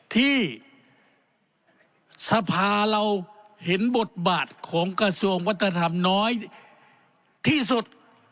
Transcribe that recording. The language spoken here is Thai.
ที่สภาเราเห็นบทบาทของกระทรวงวัฒนธรรมน้อยที่สุด